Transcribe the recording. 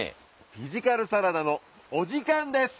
フィジカルサラダのお時間です！